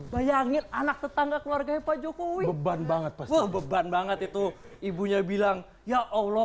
bayangin anak tetangga keluarganya pak jokowi beban banget tuh beban banget itu ibunya bilang ya allah